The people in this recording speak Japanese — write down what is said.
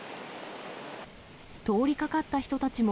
通りかかった人たちも、